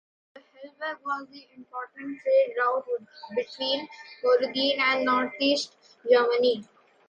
The Hellweg was the important trade route between Cologne and northeast Germany.